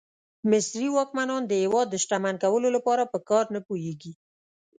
مصري واکمنان د هېواد د شتمن کولو لپاره په کار نه پوهېږي.